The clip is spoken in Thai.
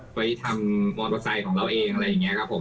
ไว้ทำมอเตอร์ไซค์ของเราเองอะไรอย่างนี้ครับผม